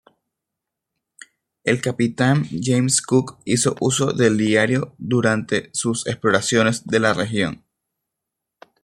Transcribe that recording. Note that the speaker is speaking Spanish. El capitán James Cook hizo uso del diario durante sus exploraciones de la región.